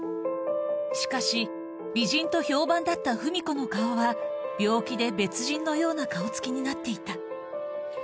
しかし、美人と評判だった風美子の顔は、病気で別人のような顔つきになっていた。